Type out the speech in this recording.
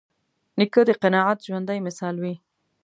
نیکه د قناعت ژوندي مثال وي.